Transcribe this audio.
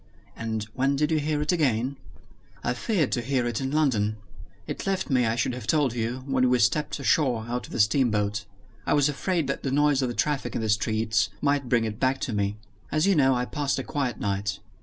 "And when did you hear it again?" "I feared to hear it in London. It left me, I should have told you, when we stepped ashore out of the steamboat. I was afraid that the noise of the traffic in the streets might bring it back to me. As you know, I passed a quiet night.